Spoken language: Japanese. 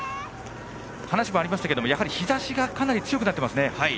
話にもありましたが日ざしがかなり強くなっています。